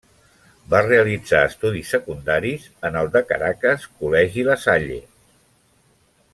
Va realitzar estudis secundaris en el de Caracas Col·legi La Salle.